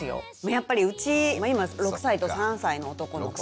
やっぱりうち今６歳と３歳の男の子と。